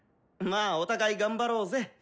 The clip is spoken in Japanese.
まあお互い頑張ろーぜ。